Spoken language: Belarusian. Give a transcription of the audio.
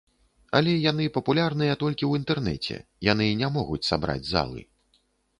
Але яны папулярныя толькі ў інтэрнэце, яны не могуць сабраць залы.